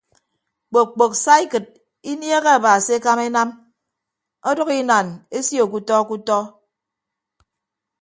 Kpok kpok saikịd inieehe aba se ekama enam ọdʌk inan esio kutọ kutọ.